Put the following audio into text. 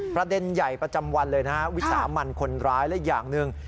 ประเด็นใหญ่ประจำวันเลยนะฮะวิสามันคนร้ายและอย่างหนึ่ง